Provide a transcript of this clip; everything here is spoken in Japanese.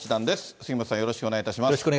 杉本さん、よろしくお願いします。